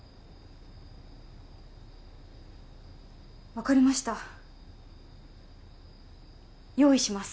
分かりました用意します